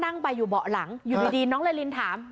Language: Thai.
นั่งไปอยู่เบาะหลังอยู่ดีน้องลาลินถาม